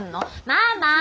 ママ！